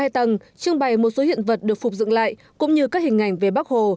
trưng bày một số hiện vật được phục dựng lại cũng như các hình ảnh về bắc hồ